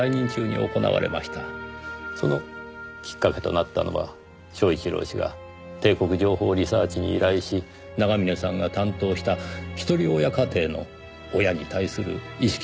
そのきっかけとなったのは昭一郎氏が帝国情報リサーチに依頼し長峰さんが担当した一人親家庭の親に対する意識調査でした。